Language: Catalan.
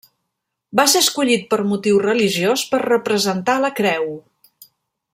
Va ser escollit per motiu religiós per representar la creu.